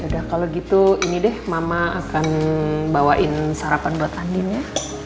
ya udah kalau gitu ini deh mama akan bawain sarapan buat andien ya